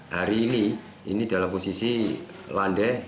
hari ini ini dalam posisi landai